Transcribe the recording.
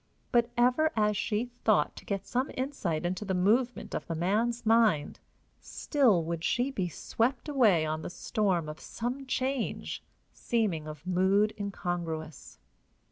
But ever as she thought to get some insight into the movement of the man's mind, still would she be swept away on the storm of some change, seeming of mood incongruous.